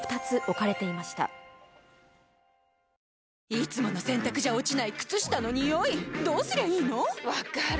いつもの洗たくじゃ落ちない靴下のニオイどうすりゃいいの⁉分かる。